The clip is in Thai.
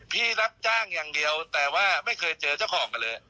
รับจ้างอย่างเดียวแต่ว่าไม่เคยเจอเจ้าของกันเลย